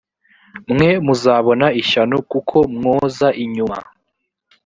mwe muzabona ishyano kuko mwoza inyuma